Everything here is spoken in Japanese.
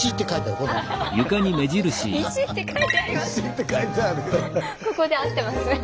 ここで合ってます。